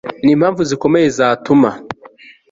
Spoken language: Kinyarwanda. ni impamvu zikomeye zatuma